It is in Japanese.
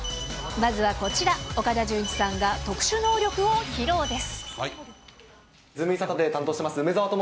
まずはこちら、岡田准一さんが特殊能力を披露です。